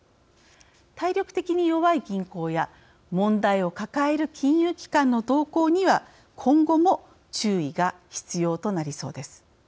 体力的に弱い銀行や問題を抱える金融機関の動向には今後も、注意が必要となりそうです。